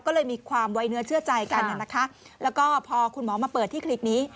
ก็เลยมีความไว้เนื้อเชื่อใจกันนะคะแล้วก็พอคุณหมอมาเปิดที่คลิกนี้